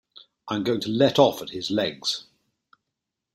I'm going to let off at his legs.